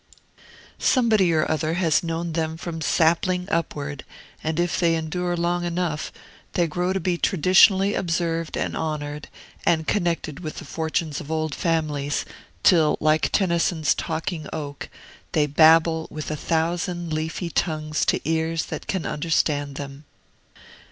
Somebody or other has known them from the sapling upward; and if they endure long enough, they grow to be traditionally observed and honored, and connected with the fortunes of old families, till, like Tennyson's Talking Oak, they babble with a thousand leafy tongues to ears that can understand them.